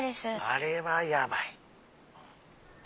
あれはやばい！